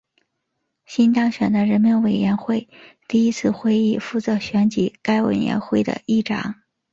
新当选的人民委员会第一次会议负责选举该委员会的议长。